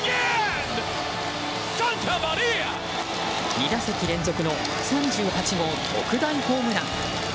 ２打席連続の３８号特大ホームラン。